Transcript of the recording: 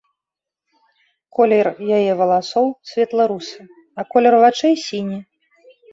Колер яе валасоў светла-русы, а колер вачэй сіні.